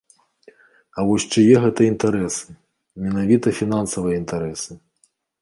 А вось чые гэта інтарэсы, менавіта фінансавыя інтарэсы?